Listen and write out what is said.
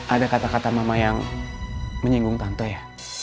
ada kata kata mama yang menyinggung tanto ya